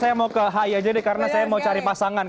saya mau ke hi aja deh karena saya mau cari pasangan